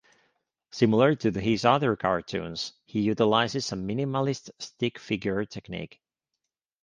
Similar to his other cartoons, he utilizes a minimalist stick-figure technique.